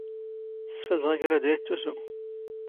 ⵙⵙⴼⵍⴷⵖ ⵉ ⴽⵔⴰ ⴷⴰ ⵉⵜⵜⵓⵙⵓ.